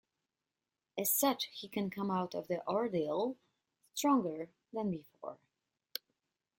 As such, he can come out of the ordeal stronger than before.